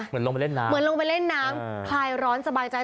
เหมือนลงไปเล่นน้ำคลายร้อนสบายใจ